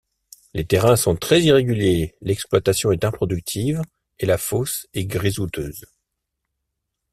Les terrains sont très irréguliers, l'exploitation est improductive, et la fosse est grisouteuse.